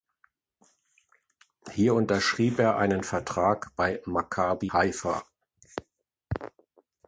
Hier unterschrieb er einen Vertrag bei Maccabi Haifa.